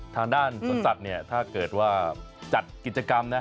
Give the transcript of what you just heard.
ทางด้านสวนสัตว์เนี่ยถ้าเกิดว่าจัดกิจกรรมนะ